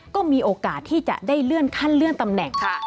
ก็มีโอกาสที่จะได้เลื่อนขั้นเลื่อนตำแหน่งค่ะ